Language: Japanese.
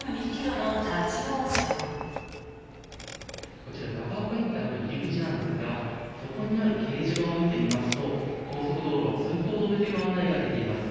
こちら長岡ＩＣの入り口なんですがそこにある掲示板を見てみますと高速道路は通行止めという案内が出ています。